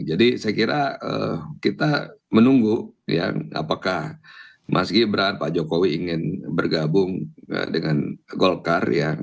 jadi saya kira kita menunggu ya apakah mas gibran pak jokowi ingin bergabung dengan golkar ya